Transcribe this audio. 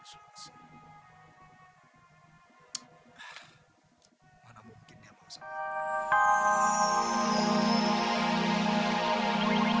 sebelum itu saya sudah